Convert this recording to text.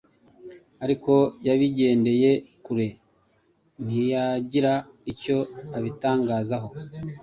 ariko yabigendeye kure ntiyagira icyo abitangazaho.